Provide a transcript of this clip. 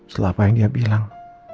setelah apa yang dia bilang